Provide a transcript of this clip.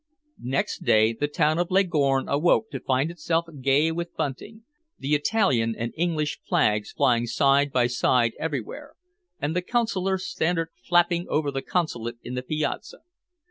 Next day the town of Leghorn awoke to find itself gay with bunting, the Italian and English flags flying side by side everywhere, and the Consular standard flapping over the Consulate in the piazza.